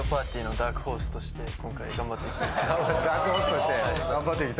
ダークホースとして頑張っていきたい。